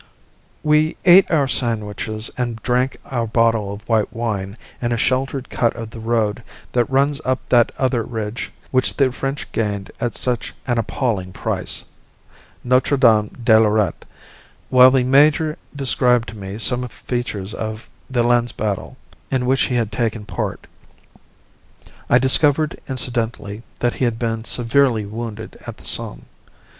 We ate our sandwiches and drank our bottle of white wine in a sheltered cut of the road that runs up that other ridge which the French gained at such an appalling price, Notre Dame de Lorette, while the major described to me some features of the Lens battle, in which he had taken part. I discovered incidentally that he had been severely wounded at the Somme.